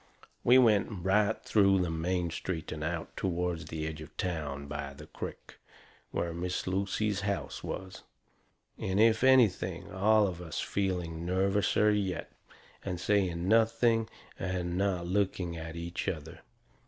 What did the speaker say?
We went right through the main street and out toward the edge of town, by the crick, where Miss Lucy's house was. And, if anything, all of us feeling nervouser yet. And saying nothing and not looking at each other.